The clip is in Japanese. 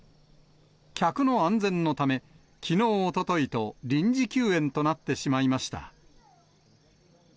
客の安全のため、きのう、おとといと、臨時休園となってしまいました。